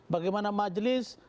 satu bagaimana majelis